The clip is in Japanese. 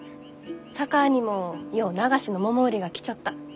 佐川にもよう流しのモモ売りが来ちょった。